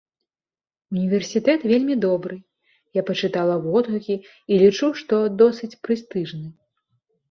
Універсітэт вельмі добры, я пачытала водгукі, і лічу, што досыць прэстыжны.